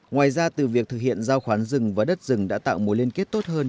ngoài ra từ việc thực hiện giao khoán rừng và đất rừng đã tạo mối liên kết tốt hơn